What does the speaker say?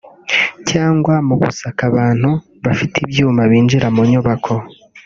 cyangwa mu gusaka abantu bafite ibyuma binjira mu nyubako